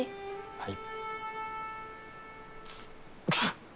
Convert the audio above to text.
はい。